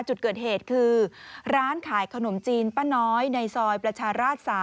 จุดเกิดเหตุคือร้านขายขนมจีนป้าน้อยในซอยประชาราช๓